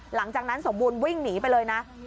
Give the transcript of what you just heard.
หลังจากนั้นสมบูรณ์วิ่งหนีไปเลยนะ